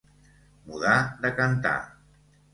Mudar de cantar.